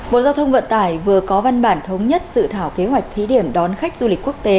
bộ giao thông vận tải vừa có văn bản thống nhất dự thảo kế hoạch thí điểm đón khách du lịch quốc tế